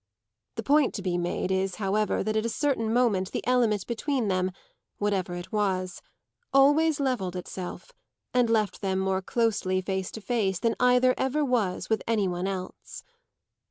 The point to be made is, however, that at a certain moment the element between them, whatever it was, always levelled itself and left them more closely face to face than either ever was with any one else.